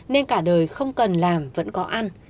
nên cả đời không cần làm vẫn có ăn